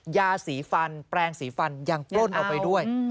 ยาสีฟันแปลงสีฟันยังปล้นเอาไปด้วย